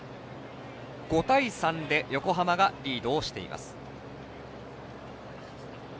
５対３で横浜がリードしています。